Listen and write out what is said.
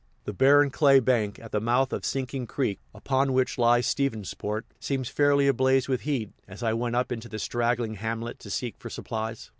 The barren clay bank at the mouth of Sinking Creek, upon which lies Stephensport, seemed fairly ablaze with heat, as I went up into the straggling hamlet to seek for supplies.